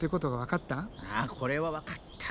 あこれは分かった。